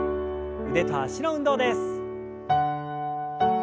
腕と脚の運動です。